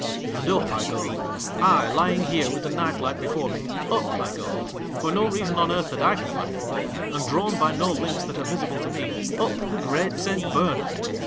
And up I go. I, lying here with the night light before me, up I go, for no reason on earth that I can find out, and drawn by no links that are visible to me, up the Great Saint Bernard